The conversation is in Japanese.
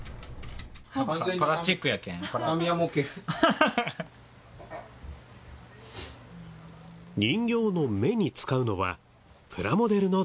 人形の目に使うのはプラモデルの材料。